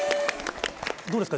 どうですか？